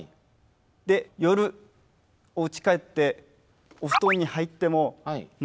で夜おうち帰ってお布団に入ってもまだこう。